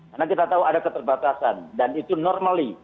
karena kita tahu ada keterbatasan dan itu normal